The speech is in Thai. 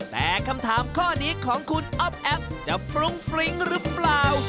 แต่คำถามข้อนี้ของคุณอ๊อฟแอฟจะฟรุ้งฟริ้งหรือเปล่า